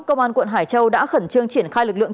công an quận hải châu đã khẩn trương triển khai lực lượng